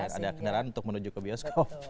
dan ada kendaraan untuk menuju ke bioskop